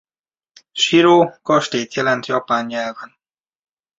Shiro kastélyt jelent japán nyelven.